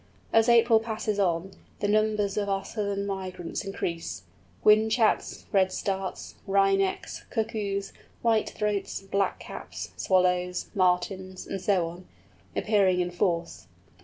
As April passes on, the numbers of our summer migrants increase; Whinchats, Redstarts, Wrynecks, Cuckoos, Whitethroats, Blackcaps, Swallows, Martins, and so on, appearing in force.